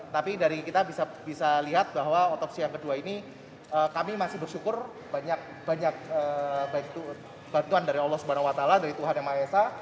tapi dari kita bisa lihat bahwa otopsi yang kedua ini kami masih bersyukur banyak banyak bantuan dari allah swt dari tuhan yang maha esa